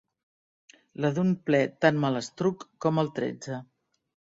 La d'un ple tan malastruc com el tretze.